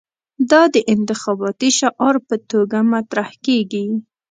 دا د انتخاباتي شعار په توګه مطرح کېږي.